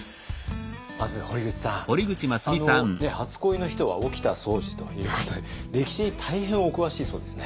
まず堀口さんあの初恋の人は沖田総司ということで歴史大変お詳しいそうですね。